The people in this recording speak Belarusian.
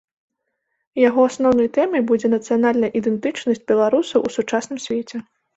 Яго асноўнай тэмай будзе нацыянальная ідэнтычнасць беларусаў у сучасным свеце.